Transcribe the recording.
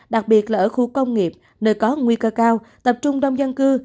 đặc biệt là ở khu công nghiệp nơi có nguy cơ cao tập trung đông dân cư